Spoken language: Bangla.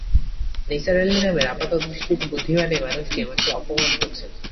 নিসার আলি নামের আপাতদৃষ্টিতে বুদ্ধিমান এই মানুষটি আমাকে অপমান করছেন।